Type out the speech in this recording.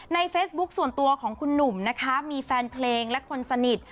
เฟซบุ๊คส่วนตัวของคุณหนุ่มนะคะมีแฟนเพลงและคนสนิท